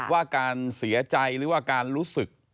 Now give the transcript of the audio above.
ว่าการเสียใจหรือว่าการรู้สึก